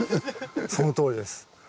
そのとおりです。